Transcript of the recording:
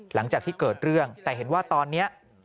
หลังจากที่เกิดเรื่องแต่เห็นว่าตอนนี้